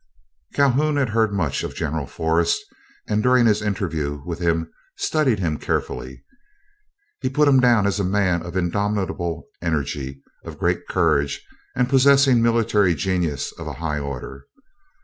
Calhoun had heard much of General Forrest, and during his interview with him studied him carefully. He put him down as a man of indomitable energy, of great courage, and possessing military genius of a high order.